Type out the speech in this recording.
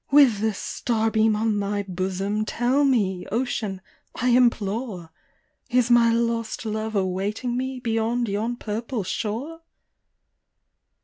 With the starbeam on thy bosom, tell me, ocean, I implore ; Is my lost love awaiting me beyond yon purple shore